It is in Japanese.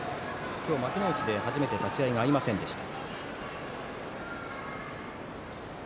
今日、幕内で初めて立ち合いが合いませんでした。